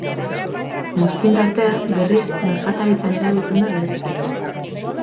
Mozkin-tartea, berriz, merkataritzan erabiltzen da bereziki.